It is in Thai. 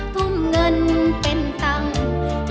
ทุ่มเงินเป็นตังค์